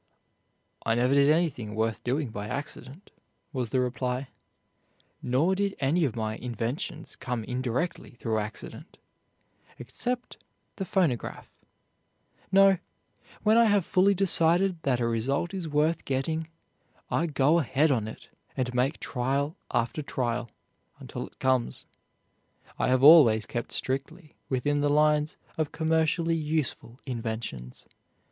"I never did anything worth doing by accident," was the reply, "nor did any of my inventions come indirectly through accident, except the phonograph. No, when I have fully decided that a result is worth getting I go ahead on it and make trial after trial until it comes. I have always kept strictly within the lines of commercially useful inventions.